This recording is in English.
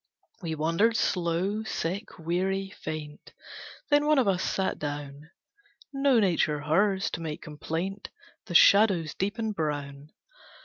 We wandered slow; sick, weary, faint, Then one of us sat down, No nature hers, to make complaint; The shadows deepened brown.